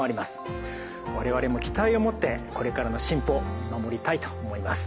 我々も期待を持ってこれからの進歩見守りたいと思います。